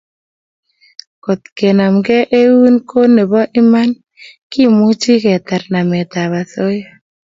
Ngotkenamkei eun ko nebo iman kemuchi ketar nametab osoya